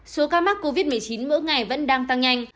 số ca mắc covid một mươi chín mỗi ngày vẫn đang tăng nhanh